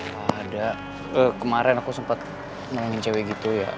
pada kemaren aku sempet nongongin cewek gitu ya